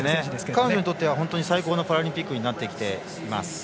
彼女にとっては最高のパラリンピックになってきています。